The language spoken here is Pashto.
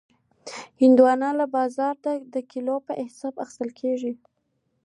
هندوانه له بازار نه د کیلو په حساب اخیستل کېږي.